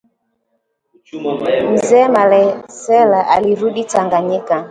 Mzee Malecela alirudi Tanganyika